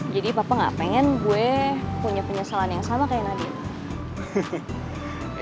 jadi papa gak pengen gue punya penyesalan yang sama kayak nadine